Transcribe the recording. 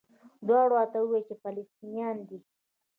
دواړو راته وویل چې فلسطینیان دي.